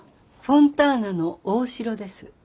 フォンターナの大城です。